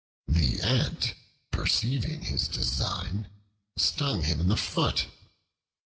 The Ant, perceiving his design, stung him in the foot.